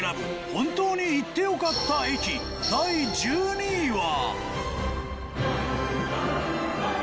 本当に行ってよかった駅第１２位は。